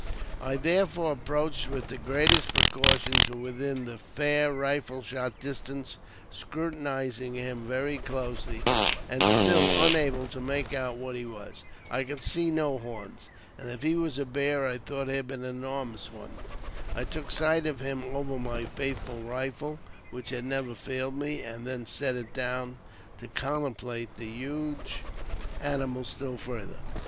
I therefore approached, with the greatest precaution, to within fair rifle shot distance, scrutinizing him very closely, and still unable to make out what he was. I could see no horns ; and if he was a bear, I thought him an enormous one. I took sight at him over my faithful rifle, which had never failed me, and then set it down, to contemplate the huge animal still farther.